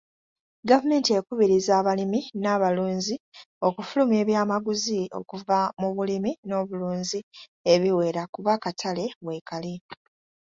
Gavumenti ekubiriza abalimi n'abalunzi okufulumya ebyamaguzi okuva mu bulimi n'obulunzi ebiwera kuba akatale weekali.